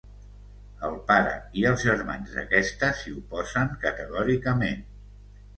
El pare i els germans d'aquesta s'hi oposen categòricament.